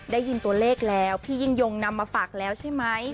ได้ยินตัวเลขแล้วพี่ยิ่งยงนำมาฝากแล้วใช่ไหม